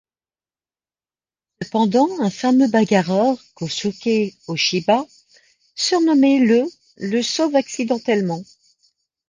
Cependant, un fameux bagarreur, Kousuke Ooshiba, surnommé le le sauve accidentellement.